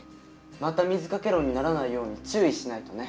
また水掛け論にならないように注意しないとね。